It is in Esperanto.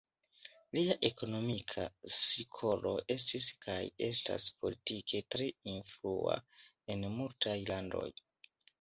Lia ekonomika skolo estis kaj estas politike tre influa en multaj landoj.